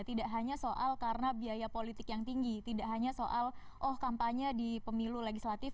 tidak hanya soal karena biaya politik yang tinggi tidak hanya soal oh kampanye di pemilu legislatif